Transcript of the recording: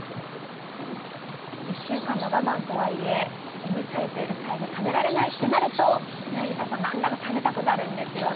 １週間の我慢とはいえＭサイズ、Ｌサイズ食べられないとなると柳澤さん、何だか食べたくなるんですよね。